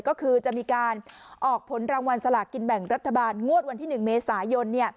ก็คือจะมีการออกผลรางวัลสลากกินแบ่งรัฐบาลงวดวันที่๑เมษายน